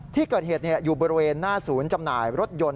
ที่เกิดเหตุอยู่บริเวณหน้าศูนย์จำหน่ายรถยนต์